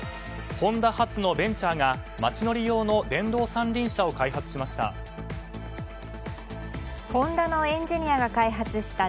ホンダ発のベンチャーが街乗り用の電動３輪車を開発しました。